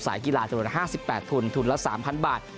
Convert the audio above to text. สายกีฬาจะโดน๕๘ทุนทุนละ๓๐๐๐บาท